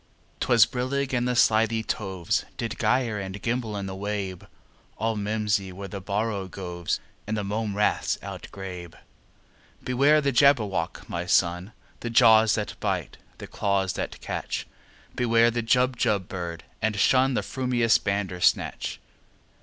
'Twas brillig, and the slithy toves Did gyre and gimble in the wabe; All mimsy were the borogoves, And the mome raths outgrabe. "Beware the Jabberwock, my son! The jaws that bite, the claws that catch! Beware the Jubjub bird, and shun The frumious Bandersnatch!"